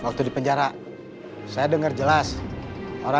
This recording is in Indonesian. kalau berdua jadi penghormatan oke itu wujudnya kalian dapat berubah